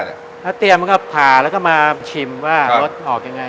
น้ำตือเราก็จะปลาแล้วก็มาชิมว่ารดออกยังไง